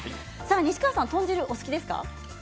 西川さん、豚汁お好きですか？